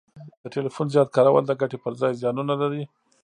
د ټلیفون زیات کارول د ګټي پر ځای زیانونه لري